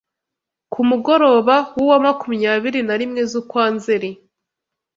Ku mugoroba w’uwa makumyabiri na rimwe z’ukwa Nzeri